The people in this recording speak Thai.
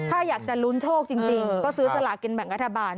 ถ้าอยากจะลุ้นโชคจริงก็ซื้อสลากินแบ่งรัฐบาล